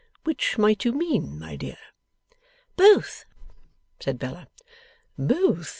Which might you mean, my dear?' 'Both,' said Bella. 'Both, eh?